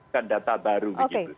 kan data baru begitu